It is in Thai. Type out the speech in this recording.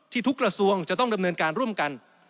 ทุกกระทรวงจะต้องดำเนินการร่วมกัน